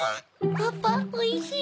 パパおいしい？